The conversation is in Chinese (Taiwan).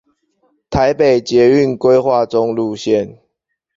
台北捷運規劃中路線